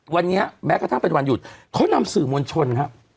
วันนี้แม้กระทั่งเป็นวันหยุดเขานำสื่อมวลชนครับ